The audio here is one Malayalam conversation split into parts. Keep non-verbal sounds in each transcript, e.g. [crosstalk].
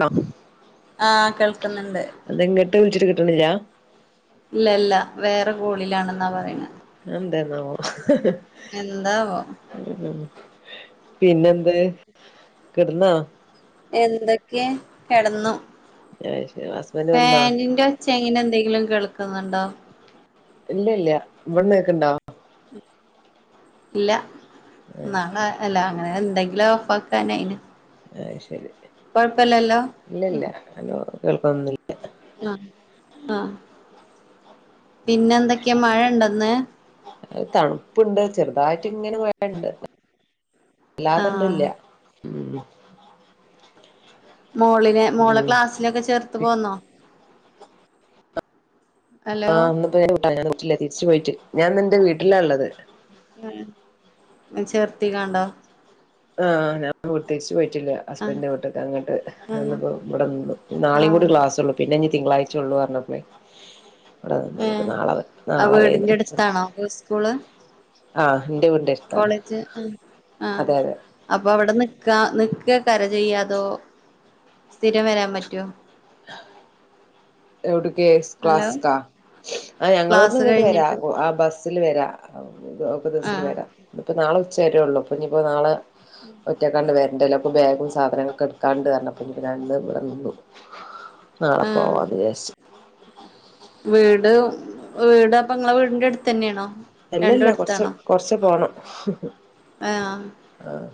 ആണ ആ് കേൾക്കുന്നുണ്ട് അത്െങ്ങോട്ട് വിളിച്ചിട്ട് കിട്ടണില്ല ഇല്ല ഇല്ല വേറെ കോളിലാണെന്നാ പറയണ എന്തെ നാവൊ എന്താ പൊ പിന്നെന്ത് കിടന്നാ എന്തൊക്കെ കിടന്നു അത് ശരി ഹസ്ബൻഡ് വന്നാ ഫേനിന്റെ ച്ചെ അങ്ങനെന്തെങ്കിലും കേൾക്ന്ന്ണ്ടോ? ഇല്ല ഇല്ല ഇവിടന്ന് കേക്കണ്ടാ ഇല്ല നാളെ അല്ല അങ്ങനെ എന്തെങ്കിലും ഓഫ് ആാക്കാനയിന് ആഹ് ശരി ഇല്ലല്ല അനോ കേൾക്കന്നില്ല ആ ആ പിന്നെ എന്തൊക്കെയാ മഴ ഉണ്ടന്ന് അത് തണുപ്പുണ്ട് ചെറുതായിട്ട് ഇങ്ങനെ പോയുണ്ട് അല്ലാതണ്ടല്ല ആഹ് മോളിനെ മോളെ ഉം ക്ലാസ്സിലൊക്കെ ചേർത്ത് പോന്നോ ഹലോ ആഹ്ന്നപ്പോട്ട ഞാൻറ്റില്ലേ തിരിച്ചു പോയിട്ട് ഞാൻ നിന്റെ വീട്ടിലാ ഉള്ളത് ഉ ചേർത്തി കണ്ടോ ആഹ് അ പ്രത്തേരിച്ച് പോയിട്ടില്ല ആഹ് ഹസ്ബൻഡ്ന്റെ കീട്ടക്ക് ആഹ് അങ്ങോട്ട്ിപ്പോ ഇവിടെ നാളെയും കൂടി ആഹ് ക്ലാസ്ള്ള പിന്നെ ഇനി തിങ്കളഴ്ചയള്ളൂ പറഞ്ഞപ്പളേ ഇവിടെ നിന്ന് ഇനിപ്പ ഉം നാളെ ആഹ് നാളെ വൈന്ന വീടിന്റെ അച്ഛൻ അടുത്താണോ സ്കൂള് ആഹ് എൻ്റെ വീടു നെടു കോളേജ് ആഹ് അപ്പൊ അവിടെ നിക്കാ നിക്കുക കര ചെയ്യാതോ സ്ഥിരം വരാൻ പറ്റോ [inaudible] എവിടക്ക ഹലോ ക്ലാസ്ക ആഹ് ഞങ്ങളോടന്ന് ക്ലാസ് ഇങ്ങോട്ട് വരാ കഴിഞ്ഞിട്ട് ആഹ് ബസ് ബസ്സിൽ വരാം ഒക്കെ ദിവസം ആഹ് വരാം ഇതിപ്പോൾ നാളെ ഉച്ച വരുയള്ളൂപ്പ ഇനിയിപ്പോൾ നാളെ [inaudible] ഒറ്റയ്ക്കാണ്ട് വേറെ [unintelligible] ബാഗും സാധനങ്ങളൊക്കെ എടുക്കാണ്ട് കാരണംപ്പൾ എനിക്ക്ഞ ഇവിടെ നിന്നു നാളെ ആഹ് പോവാം അത് ചേഷു വീട് വീട് അപ്പൊ നിങ്ങളെ വീടിന്റെ അടുത്ത് തന്നെയാണോ അല്ലല്ല കൊറച്ച കൊറച്ച പോണം ആഹ് ആഹ്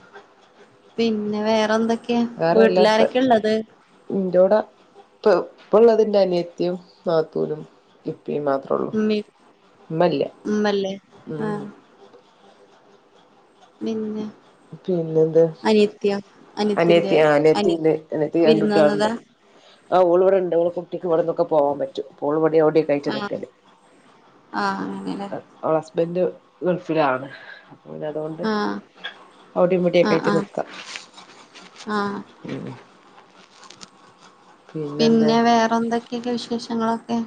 പിന്നെ വേറെ എന്തൊക്കെയ വീട്ടിലാരൊക്കെ ഉള്ളത് ഇറൂടെ ഇപ്പ ഇപ്പള്ളതിന്റെറ അനിയത്തിയും നാത്തൂനും ഇപ്പയും മാത്രം ഉമ്മീം ഉം ഉമ്മല്ലേ ആഹ് [unintelligible] പിന്ന പിന്നെ എന്താ അനിയത്തിന്റെ അനിയത്തി അനിയ അനിയത്തിണ്ട് അനത്തി രണ്ട വിരുന്ന് കുട്ടികളുണ്ട് വന്നതാ ആഹ് ഉൾവി ഉണ്ട് കുട്ടക്ക്വിടെന്നൊക്കെ പോവാൻ പറ്റും അഹ് [unintelligible] ആഹ് ആഹ് അങ്ങെല്ലേ അവടെ ഹസ്ബൻഡ് ഗൾഫിലാണ് അഹ് അതുകൊണ്ട് ആഹ് വിട മുടിയൊക്കെ ആഹ് ആയിട്ട് ആഹ് നിക്കാം ആഹ് ഉം പിന്നെന്താ പിന്നെ വേറെ എന്തൊക്കെയൊക്കെ വിശേഷങ്ങളൊക്കെ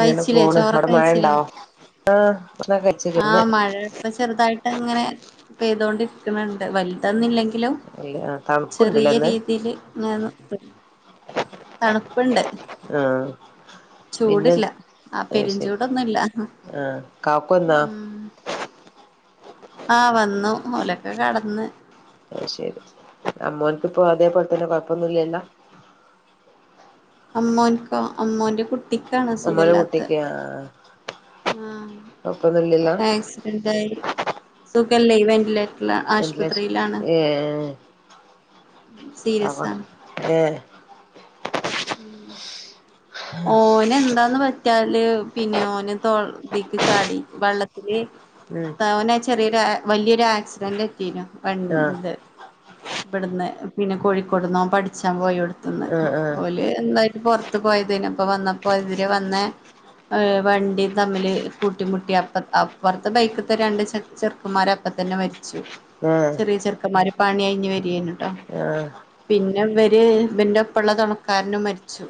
ഇങ്ങനെ പോണ് അവിടെ ചോറൊക്കെ മഴ കഴിച്ചില്ലേ ഇണ്ടാവോ ആഹ് ആഹ് മഴ ഇപ്പ ചെറുതായിട്ട് അങ്ങനെ പെയ്തൊണ്ടിരിക്കുന്നുണ്ട് വലിയ ഇതന്നില്ലെങ്കിലോ അല്ല തണുപ്പുണ്ടല്ലേ ചെറിയ ഇന്ന് രീതിലങ്ങനെ തണുപ്പുണ്ട് ആ പിന്നെ ചൂടല്ല ആഹ് പെരിഞ്ചൂടൊന്നുമല്ല ആഹ് കാക്ക ഉണ്ടോ ആഹ് വന്നു മൂലക്കെ കടന്ന് അയ് ശരി അമ്മോനക്കിപ്പോ അതേപോലെ തന്നെ കൊഴപ്പൊന്നുംല്ലല്ല അമ്മോൻോ അമ്മോന്റെ കുട്ടിക്കാണ് അഹ് സുഖമല്ലാത്ത ആഹ് ആഹ് ആക്സിഡന്റ് ആയി സുഖല്ല ഇവന്റില ആശുപത്രിയിലാണ് ഏഹ് സീരിയസ് ആഹ് ഏഹ് ഉം ഓന എന്താന്ന് പറ്റാല് പിന്നെ ഓന് തക്ക് ചാടി വെള്ളത്തി ഉം തവന ചെറിയൊരു വലിയൊരു ആക്സിഡന്റ് പറ്റീനു ആ വത് ഇവിടുന്ന് പിന്നെ കോഴിക്കോട്ന്ന പഠിച്ചാൻ പോയി എടുത്തന്ന് ആ ആ എന്തായിട്ട് പുറത്ത് പോയതായിനിപ്പ വന്നപ്പോ എതിരെ വന്നേ ഏഹ് വണ്ടി തമ്മില് കൂട്ടിമുട്ടി അപ്പ അപ്പുറത്തെ ബൈക്കത്തെ രണ്ട് ചെറ്ക്കൻമാർ ചെക്കമാര അപ്പ തന്നെ മരിച്ചു ആ ചെറിയ ചെറുക്കന്മാര് പണി കഴിഞ്ഞ് വരികന്നട്ടോ ആ പിന്നെ ഇവര് ഇവന്റെ ഒപ്പുള്ള തുണക്കാരനും മരിച്ചു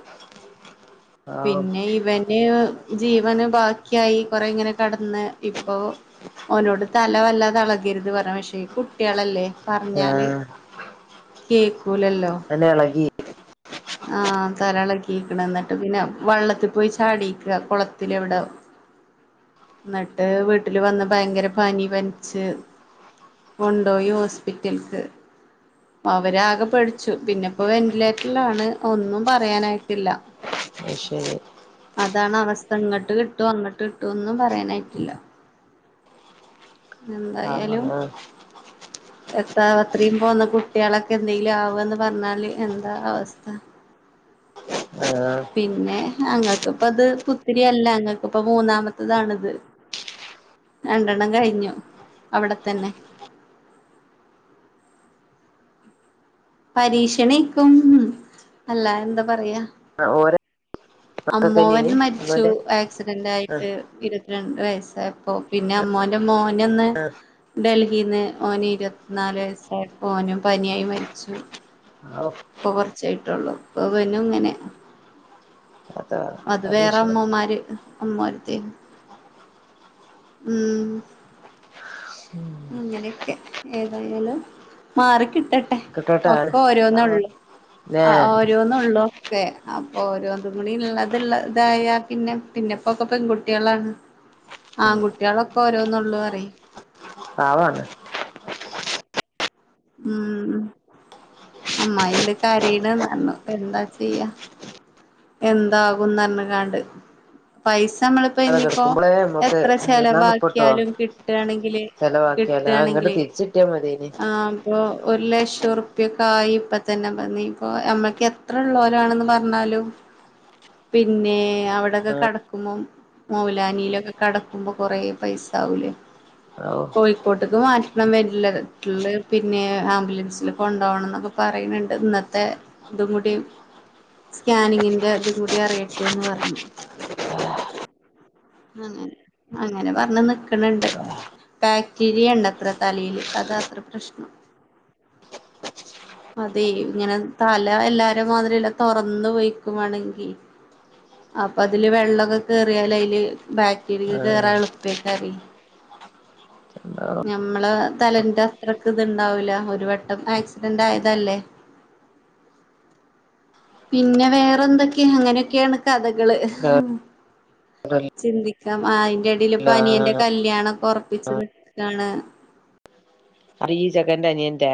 പാവം പിന്നെ ഇവന് ജീവന് ബാക്കിയായി കൊറെ ഇങ്ങനെ കടന്ന് ഇപ്പൊ ഓനോട് തലവല്ലാതളകരുത് പറ പക്ഷേ ഈ കുട്ടികളല്ലേ ആ പറഞ്ഞാല് കേക്കൂലല്ലോ അന്നെ ഇളകി ആഹ് തരളക്കിക്കണ എന്നട്ട് പിന്നെ വെള്ളത്തി പോയി ചാടിക്ക കുളത്തില എവിടെ അ ന്നട്ട് വീട്ടില് വന്ന് ഭയങ്കര പനി പനിച്ച് കൊണ്ടോയി ഹോസ്പിറ്റൽക് അവരാകെ പടിച്ചു പിന്നെ പ്പോ വെന്റിലേറ്റർലാണ് ഒന്നും പറയാനായിട്ടില്ല അഹ് ശരി അതാണ് അവസ്ഥ ങ്ങട്ട് കിട്ടു അങ്ങട്ട് കിട്ടുന്നും പറയാനായിട്ടില്ല എന്തായാലും പാവാണ് എത്രാ അത്രയും പോന്ന കുട്ടിളൊക്കെ എന്തെങ്കിലും ആവന്ന് പറഞ്ഞാല് എന്താ അവസ്ഥ ആഹ് പിന്നെ അങ്ങക്കിപ്പത് പുത്തിരിയല്ല അങ്ങക്കിപ്പ മൂന്നാമത്തതാണിത് രണ്ടെണ്ണം കഴിഞ്ഞു അവിടെത്തന്നെ പരീക്ഷണയ്ക്കും അല്ലാതെ എന്താ പറയാ ആഹ് ഓര അമ്മോവൻ മരിച്ചു ആക്സിഡന്റ് ആ ആയിട്ട് ഇരുപത്തിരണ്ട്ര വയസ്സായപ്പോ പിന്നെ അമ്മോന്റെ മോനന്ന് ഡൽഹിൽന്ന് ഓന് ഇരുപത്തിനാല് വയസ്സായപ്പോ ഓനും പനിയായി മരിച്ചു ഔ ഇപ്പൊ കുറച്ചയായിട്ടുള്ളൂ പ്പ വനും ങ്ങനെ അതാ അത് വേറെ അമ്മോമാര് അമ്മര്തെ ആ ഉം ഉം അങ്ങനെയൊക്കെ ഏതായാലും മാറിക്കിട്ടട്ടെ കിട്ടട്ടെ ഒക്കെ ഓരോന്നള്ളൂ പാവാണ് ല്ലേ അഹ് ഓ ഓരോന്നുള്ളു ഒക്കെ അപ്പൊ ഓരോന്നും കൂടിള്ളത്ള്ള തായ പിന്നെ പിന്നെപ്പൊക്കെ പെൺകുട്ടിളാണ് അ ആൺകുട്ടിളൊക്കെ ഓരോന്നൊള്ളൂറി പാവാണ് ഉം അമ്മായ്ന്റെ കരീന [unintelligible] എന്താ ചെയ്യാ എന്താകുംന്നർഞ് കാണ്ട് പൈസ മ്മള് ഇപ്പ അല്ലാതെ ഇഞ്ഞിപ്പോ കിടക്കുമ്പോളേ നമ്മക്ക് എത്ര നിന്നാ നിപ്പട്ടോ ചെലവാക്കിയാലും കിട്ടാണെങ്കില് കിട്ടാണെങ്കില് ട്ട്യാ മതേഞ്ഞി പൊ ഒരു ലക്ഷം ർപ്പ്യൊക്കെ ആയി ഇപ്പ തന്നെ പർഞ്ഞി ഇപ്പൊ അമ്മക്ക് എത്രള്ളോലാണെന്ന് പറഞ്ഞാലും പിന്നെ അവിടെൊക്കെ കടക്കും പ്മം മൗലാനിയിലൊക്കെ കടക്കുമ്പോ കൊറേ പൈസ ആവൂലേ ഔ കോഴിക്കോട്ടേക്ക് മാറ്റണം വന്റ്ലട്രൽ പിന്നെ ആംബുലൻസ്ൽ കൊണ്ടോണം ന്നൊക്കെ പറയുന്നുണ്ട് ഇന്നത്തെ ഇതുംകൂടി സ്കാനിങ്ങി അത് കൂടി അറിയട്ടെ എന്ന് പറഞ്ഞു അങ്ങനെ അങ്ങനെ പറഞ്ഞ് നിക്കണണ്ട് ബാക്ടീരിയണ്ടത്ര തലേല് അത ത്ര പ്രശ്നം അതെങ്ങനെ തല എല്ലാരും മാതിരില്ല തുറന്ന് പോയി പ്പം വാണെങ്കി അപ്പ അതില് വെള്ളക്കെ കേറിയാലയ്ല് ബാക് ട്ടിരിക്ക് കേറാ എളുപ്പേക്കാരെ എന്ത ഞമ്മള് തലന്റെ അത്രക്ക് ഇത്ണ്ടാവൂല ഒരു വട്ടം ആക്സിഡന്റ് ആയതല്ലേ ഉ പിന്നെ വേറെ ന്തൊക്കെയ അങ്ങനെയൊക്കെയാണ് കഥകള് ചിന്തിക്കാം അ പിന്നെപ്പം ആ അനിയന്റെ കല്യാണം ക്കെ ഉറപ്പിച്ചിട്ടാണ് അറ ഈ ജഗൻന്റെനീൻന്റെ